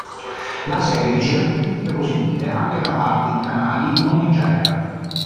La serie ricevette critiche positive anche da parte di canali non di genere.